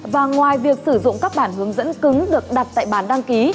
và ngoài việc sử dụng các bản hướng dẫn cứng được đặt tại bàn đăng ký